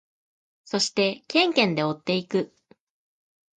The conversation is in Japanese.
そしてケンケンで追っていく。